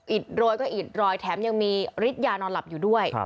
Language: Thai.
อิดโรยก็อิดรอยแถมยังมีฤทธิ์ยานอนหลับอยู่ด้วย